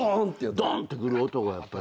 ドーンってくる音がやっぱり。